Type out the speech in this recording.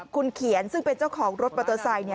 คุณเขียนซึ่งเป็นเจ้าของรถเบอร์เตอร์ไซค์เนี่ย